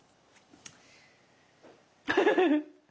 ウフフフ。